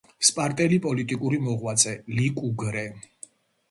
სპარტელი პოლიტიკური მოღვაწე ლიკუგრე